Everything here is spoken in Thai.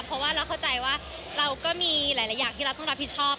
เพราะว่าเราเข้าใจว่าเราก็มีหลายอย่างที่เราต้องรับผิดชอบ